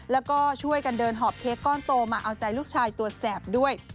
แล้วก็ช่วยกันเดินหอบเค้กก้อนโตมาเอาใจลูกชายตัวแสบด้วย